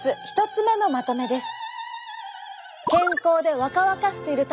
１つ目のまとめです。